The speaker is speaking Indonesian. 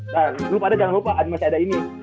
nah lupa deh jangan lupa masih ada ini